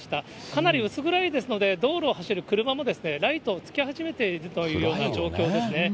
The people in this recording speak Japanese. かなり薄暗いですので、道路を走る車もライトをつけ始めているというような状況ですね。